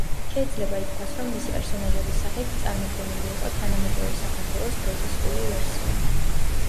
შეიძლება ითქვას, რომ მისი პერსონაჟების სახით წარმოდგენილი იყო თანამედროვე საქართველოს გროტესკული ვერსია.